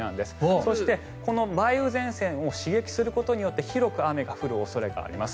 そして、この梅雨前線を刺激することによって広く雨が降る恐れがあります。